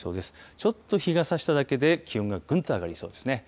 ちょっと日がさしただけで、気温がぐんと上がりそうですね。